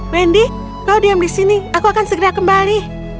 wendy kau diam di sini aku akan segera kembali